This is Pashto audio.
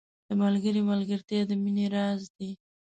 • د ملګري ملګرتیا د مینې راز دی.